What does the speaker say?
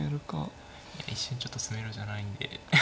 一瞬ちょっと詰めろじゃないんで。